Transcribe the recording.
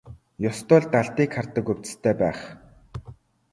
Ёстой л далдыг хардаг увдистай байх.